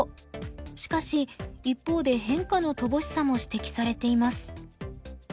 しかし一方で変化の乏しさも指摘されています。